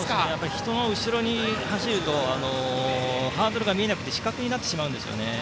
人の後ろで走るとハードルが見えなくて死角になってしまうんですよね。